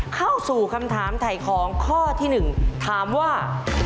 เข้าสู่คำถามไถของข้อที่หนึ่งถามว่า